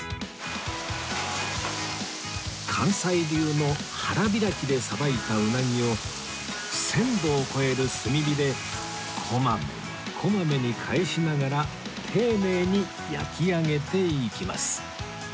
関西流の腹開きでさばいたうなぎを１０００度を超える炭火で小まめに小まめに返しながら丁寧に焼き上げていきます